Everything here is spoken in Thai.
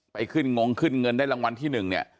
ไปขึ้นงงขึ้นเงินได้รางวัลที่๑เนี่ย